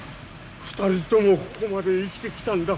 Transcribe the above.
２人ともここまで生きてきたんだ。